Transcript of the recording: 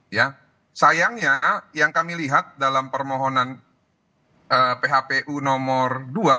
ya sayangnya yang kami lihat dalam permohonan phpu nomor dua